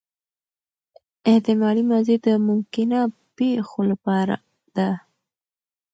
احتمالي ماضي د ممکنه پېښو له پاره ده.